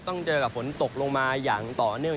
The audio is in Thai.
ต้องเจอกับฝนตกลงมาอย่างต่อเนื่อง